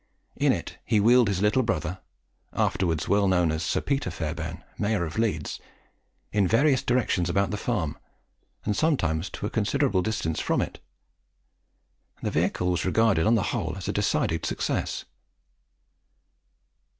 In it he wheeled his little brother afterwards well known as Sir Peter Fairbairn, mayor of Leeds in various directions about the farm, and sometimes to a considerable distance from it; and the vehicle was regarded on the whole as a decided success.